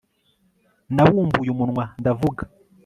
nabumbuye umunwa ndavuga